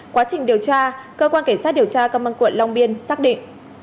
quá trình điều tra cơ quan cảnh sát điều tra công an quận long biên xác định